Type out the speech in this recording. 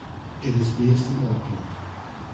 It is based in Auckland.